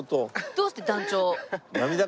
どうして団長？